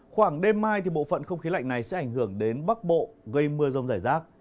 khoảng đêm mai bộ phận không khí lạnh này sẽ ảnh hưởng đến bắc bộ gây mưa rông rải rác